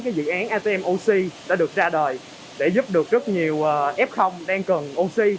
cái dự án atm oxy đã được ra đời để giúp được rất nhiều f đang cần oxy